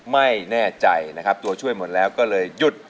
ไม่แน่ใจนะครับตัวช่วยหมดแล้วก็เลยหยุด